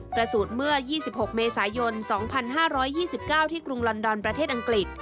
สูจน์เมื่อ๒๖เมษายน๒๕๒๙ที่กรุงลอนดอนประเทศอังกฤษ